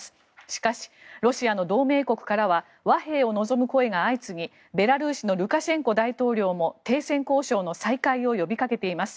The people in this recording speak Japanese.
しかし、ロシアの同盟国からは和平を望む声が相次ぎベラルーシのルカシェンコ大統領も停戦交渉の再開を呼びかけています。